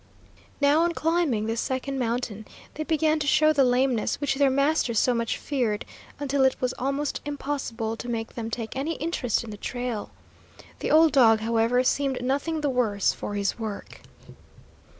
Now, on climbing this second mountain, they began to show the lameness which their master so much feared, until it was almost impossible to make them take any interest in the trail. The old dog, however, seemed nothing the worse for his work.